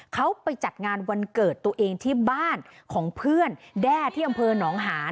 เขาไปจัดงานวันเกิดตัวเองที่บ้านของเพื่อนแด้ที่อำเภอหนองหาน